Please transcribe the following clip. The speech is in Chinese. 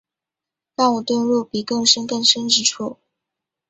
让我遁入比更深更深之处